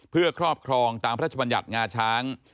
เพื่อครอบครองตามพระราชบัญญัติงาช้าง